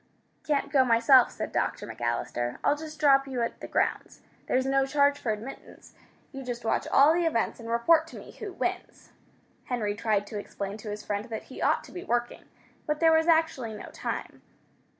"Can't go myself," said Dr. McAllister. "I'll just drop you at the grounds. There's no charge for admittance. You just watch all the events and report to me who wins." Henry tried to explain to his friend that he ought to be working, but there was actually no time.